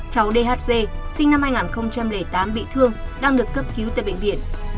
cháu dhc sinh năm hai nghìn tám bị thương đang được cấp cứu tại bệnh viện